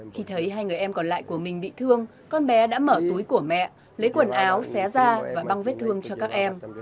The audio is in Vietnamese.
khi thấy hai người em còn lại của mình bị thương con bé đã mở túi của mẹ lấy quần áo xé ra và băng vết thương cho các em